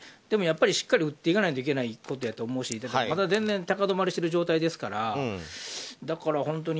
でもやっぱりしっかり打っていかなきゃいけないことだと思いますし全然高止まりしている状態ですし。